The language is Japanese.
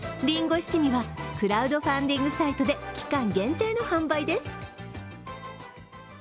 りんご七味はクラウドファンディングサイトで期間限定の販売です。